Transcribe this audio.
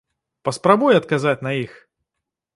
Паспрабуй адказаць на іх!